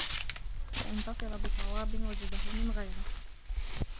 فَإِنْ ظَفِرَ بِصَوَابٍ وَجَدَهُ مِنْ غَيْرِهِ